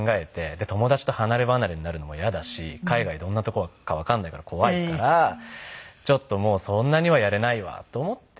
友達と離ればなれになるのも嫌だし海外どんな所かわかんないから怖いからちょっともうそんなにはやれないわと思って